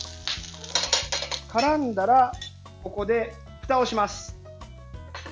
からんだらここでふたをします。